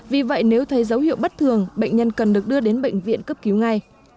vì vậy nếu thấy dấu hiệu bất thường bệnh nhân cần được đưa đến bệnh viện cấp cứu ngay